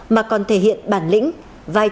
mà còn thể hiện bảo vệ tài sản cuộc sống của nhân dân